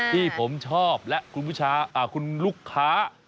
ที่ผมชอบและคุณลูกค้า